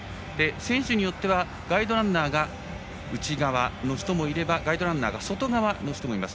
選手によってはガイドランナーが内側の人もいればガイドランナーが外側の人もいます。